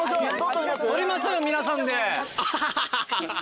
撮りましょうよ皆さんで。